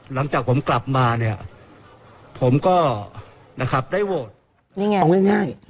หลังจากผมกลับมาเนี้ยผมก็นะครับได้โหวตเนี้ยไงเอาง่ายง่าย